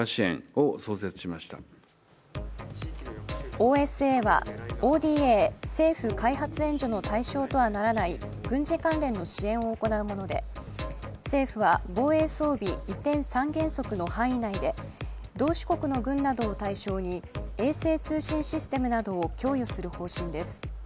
ＯＳＡはＯＤＡ＝政府開発援助の対象とはならない軍事関連の支援を行うもので、政府は防衛装備移転三原則の範囲内で同志国の軍などを対象に衛星通信システムなどを供与する方針です。